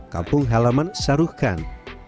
kampung helaman saruhkan